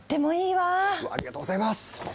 わあありがとうございます！